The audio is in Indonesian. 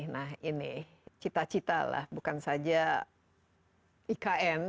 nah ini cita cita lah bukan saja ikn